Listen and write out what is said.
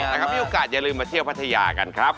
นะครับมีโอกาสอย่าลืมมาเที่ยวพัทยากันครับ